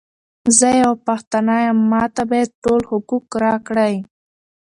زۀ یوه پښتانه یم، ماته باید ټول حقوق راکړی!